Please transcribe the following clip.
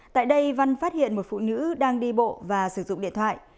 tại đây văn phát hiện một phụ nữ đang đi bộ và sử dụng điện thoại